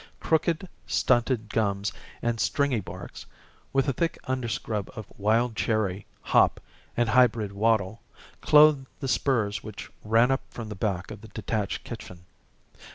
Crooked stunted gums and stringybarks, with a thick underscrub of wild cherry, hop, and hybrid wattle, clothed the spurs which ran up from the back of the detached kitchen.